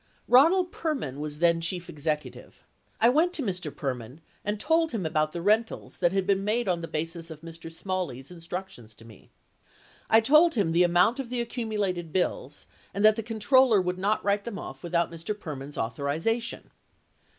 Ronald Perman was then chief executive. I went to Mr. Perman and told him about the rentals that had made on the basis of Mr. Smalley's instructions to me. I told him the amount of the accumulated bills and that the controller would not write them off without Mr. Perman's authorization. 75 25 Hearings 12325 32. 76 Id.